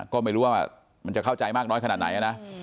ก็ไม่รู้ว่ามันจะเข้าใจมากน้อยขนาดไหนนะ